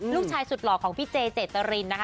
ลูกชายสุดหล่อของพี่เจเจตรินนะคะ